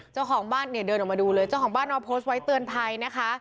เจ้าของบ้านเอาโพสต์ไว้เตือนไทยนะคะ